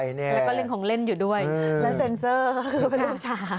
แล้วก็เล่นของเล่นอยู่ด้วยแล้วเซ็นเซอร์คือเป็นลูกชาย